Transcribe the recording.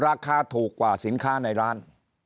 ราคาถูกกว่าสินค้าในร้าน